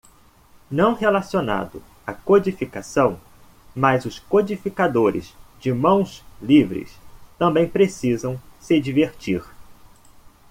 Não relacionado à codificação?, mas os codificadores de mãos livres também precisam se divertir.